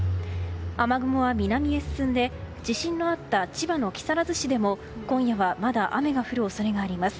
雨雲は南に進んで地震のあった千葉の木更津市でも今夜はまだ雨が降る恐れがあります。